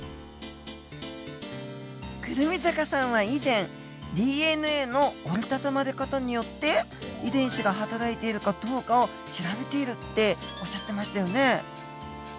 胡桃坂さんは以前ＤＮＡの折りたたまれ方によって遺伝子がはたらいているかどうかを調べているっておっしゃってましたよね。